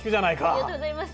ありがとうございます。